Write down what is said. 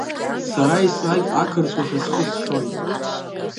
Сара еснагь ақырҭуа ҳәа схы сшьоит.